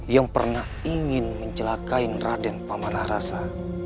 yang pernah ingin mencelakai raden pamanah rasa